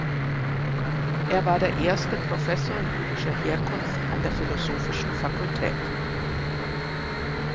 Er war der erste Professor jüdischer Herkunft an der philosophischen Fakultät.